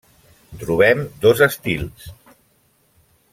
Trobem dos estils.